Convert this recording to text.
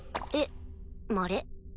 えっまれ？